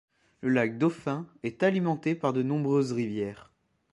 Le lac Dauphin est alimenté par de nombreuses rivières.